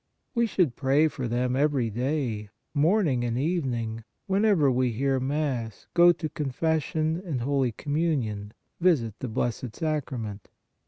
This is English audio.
We should pray for them every day, morning and evening, whenever we hear Mass, go to confession and holy Commun ion, visit the Blessed Sacrament.